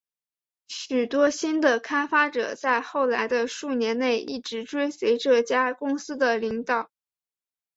许多新的开发者在后来的数年内一直追随这家公司的领导。